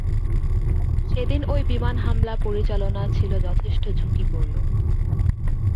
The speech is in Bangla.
সেদিন ওই বিমান হামলা পরিচালনা ছিল যথেষ্ট ঝুঁকিপূর্ণ।